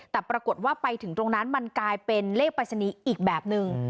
แต่ปรากฏว่าไปถึงตรงนั้นมันกลายเป็นเลขปรายศนีย์อีกแบบนึง